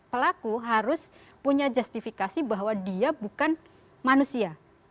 pelaku harus punya justifikasi bahwa dia bukan manusia